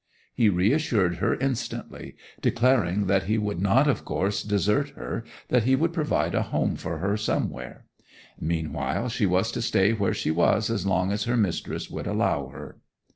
He reassured her instantly; declaring that he would not of course desert her, that he would provide a home for her somewhere. Meanwhile she was to stay where she was as long as her mistress would allow her.